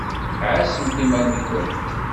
Ɛasemt iman-nkent!